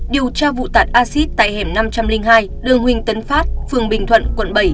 điều tra vụ tàn acid tại hẻm năm trăm linh hai đường huỳnh tấn phát phường bình thuận quận bảy